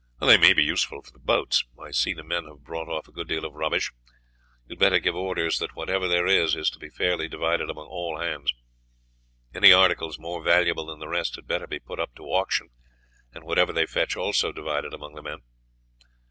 "They may be useful for the boats. I see the men have brought off a good deal of rubbish. You had better give orders that whatever there is is to be fairly divided among all hands. Any articles more valuable than the rest had better be put up to auction, and whatever they fetch also divided among the men.